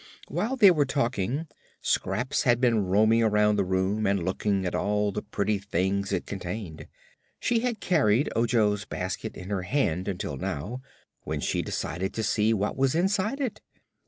While they were talking Scraps had been roaming around the room and looking at all the pretty things it contained. She had carried Ojo's basket in her hand, until now, when she decided to see what was inside it.